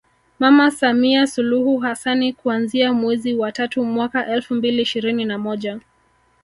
Mama Samia Suluhu Hassani kuanzia mwezi wa tatu mwaka Elfu mbili ishirini na moja